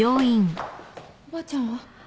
おばあちゃんは？